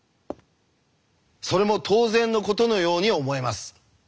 それも当然のことのように思えます。